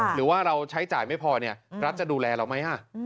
หรือว่าเราใช้จ่ายไม่พอรัฐจะดูแลเราไหม